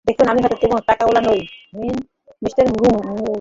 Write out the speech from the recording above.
দেখুন, আমি হয়ত তেমন টাকাওয়ালা নই, মিঃ ব্লুম।